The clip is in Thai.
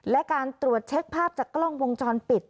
และการตรวจเช็คภาพจากกล้องวงจรปิด